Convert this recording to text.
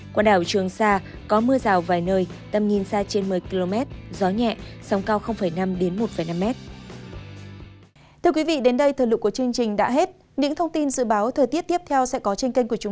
quảng đảo trường sa có mưa rào vài nơi tầm nhìn xa trên một mươi km